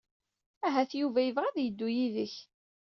Ahat Yuba yebɣa ad yeddu yid-k.